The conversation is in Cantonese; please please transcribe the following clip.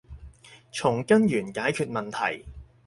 從根源解決問題